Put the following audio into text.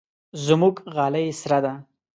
زموږ غالۍ سره ده.